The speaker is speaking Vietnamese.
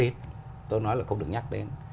mà không được nhắc đến